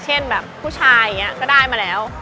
เช่นแบบผู้ชายก็ได้มาแล้ว